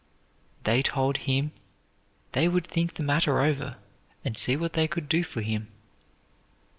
They told him they would think the matter over and see what they could do for him.